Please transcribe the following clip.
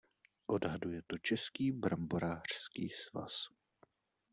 Odhaduje to Český bramborářský svaz.